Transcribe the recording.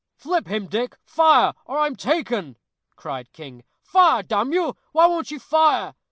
"Flip him, Dick; fire, or I'm taken," cried King. "Fire! damn you, why don't you fire?"